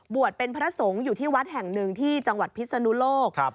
เป็นพระสงฆ์อยู่ที่วัดแห่งหนึ่งที่จังหวัดพิศนุโลก